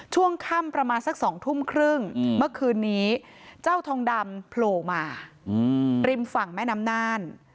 ช่วงค่ำประมาณสัก๒ทุ่มครึ่งเมื่อคืนนี้เจ้าทองดำโผล่มาริมฝั่งแม่น้ำน่าน